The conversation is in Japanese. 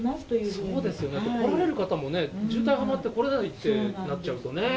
そうですよね、来られる方もね、渋滞はまって来れないってなっちゃうとね。